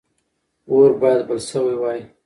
اور باید بل شوی وای.